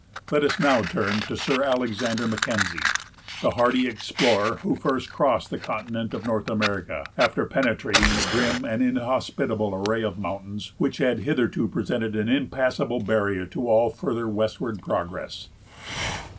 Let us now turn to Sir Alexander Mackenzie, the hardy explorer who first crossed the continent of North America, after penetrating the grim and inhospitable array of mountains which had hitherto presented an impassable barrier to all further westward progress.